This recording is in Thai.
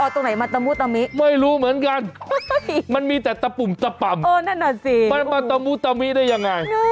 ตรงไหนมาตะมุตะมิไม่รู้เหมือนกันมันมีแต่ตะปุ่มตะป่ำมาตะมุตะมิได้ยังไง